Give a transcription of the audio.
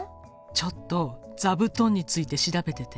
ちょっと座布団について調べててね。